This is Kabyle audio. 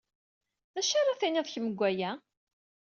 D acu ara tinid kemm deg waya?